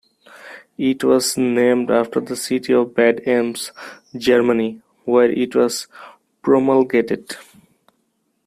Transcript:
It was named after the city of Bad Ems, Germany, where it was promulgated.